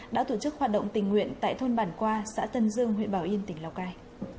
đã tổ chức hoạt động tình nguyện tại thôn bản qua xã tân dương huyện bảo yên tỉnh lào cai